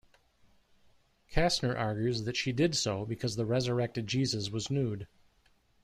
Kastner argues that she did so because the resurrected Jesus was nude.